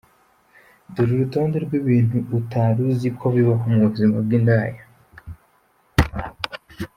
Dore urutonde rw’ibintu uteri uzi ko bibaho mu buzima bw’indaya:.